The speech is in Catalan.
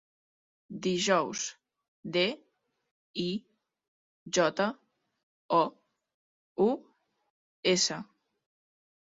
Dijous: de, i, jota, o, u, essa.